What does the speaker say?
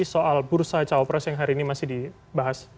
soal bursa cawapres yang hari ini masih dibahas